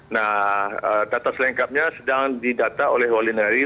nah data selengkapnya sedang didata oleh wali negari